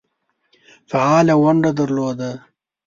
فعاله ونډه درلوده.